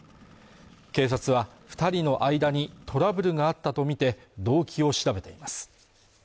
警察は二人の間にトラブルがあったとみて動機を調べています